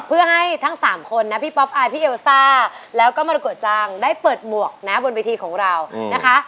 เพื่อให้ทั้ง๓คนนะพี่ป๊อปอายพี่เอลซ่าแล้วก็มรกฎจังได้เปิดหมวกนะบนเวทีของเรานะคะ